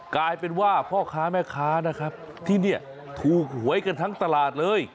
กลายเป็นว่าพ่อค้าแม่ค้านะครับที่เนี่ยถูกหวยกันทั้งตลาดเลย